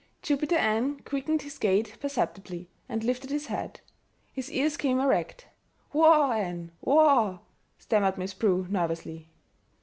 Jupiter Ann quickened his gait perceptibly, and lifted his head. His ears came erect. "Whoa, Ann, whoa!" stammered Miss Prue nervously.